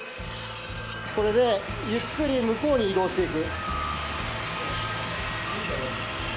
これでゆっくり向こうに移動していく。